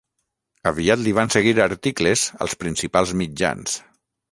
Aviat li van seguir articles als principals mitjans.